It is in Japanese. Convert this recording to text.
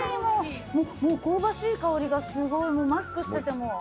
香ばしい香りがすごいもうマスクしてても。